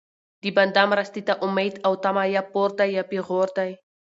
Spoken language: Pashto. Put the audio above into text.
د بنده مرستې ته امید او طمع یا پور دی یا پېغور دی